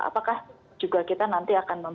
apakah juga kita nanti akan